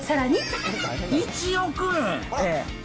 １億円？